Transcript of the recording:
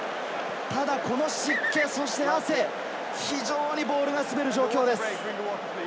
ただこの湿気、そして汗、非常にボールが滑る状況です。